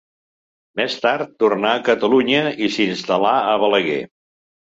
Més tard, tornà a Catalunya, i s'instal·là a Balaguer.